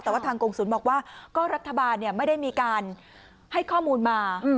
แต่ว่าทางกรงศูนย์บอกว่าก็รัฐบาลไม่ได้มีการให้ข้อมูลมา